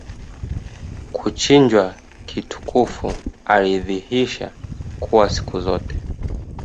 kuchinjwa kitukufu alidhihisha kuwa siku zote